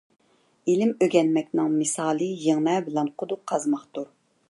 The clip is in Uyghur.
ئىلىم ئۆگەنمەكنىڭ مىسالى يىڭنە بىلەن قۇدۇق قازماقتۇر.